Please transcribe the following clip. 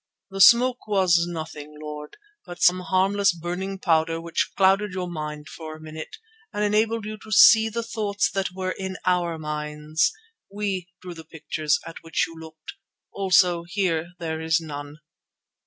"The smoke was nothing, Lord, but some harmless burning powder which clouded your mind for a minute, and enabled you to see the thoughts that were in our minds. We drew the pictures at which you looked. Also here there is none."